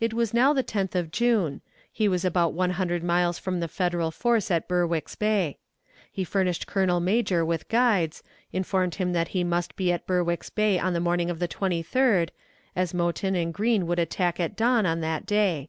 It was now the 10th of June. He was about one hundred miles from the Federal force at Berwick's Bay. He furnished Colonel Major with guides, informed him that he must be at Berwick's Bay on the morning of the 23d, as Mouton and Green would attack at dawn on that day.